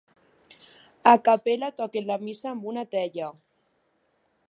A Capella toquen la missa amb una tella.